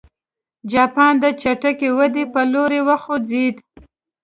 جاپان د چټکې ودې په لور وخوځېد.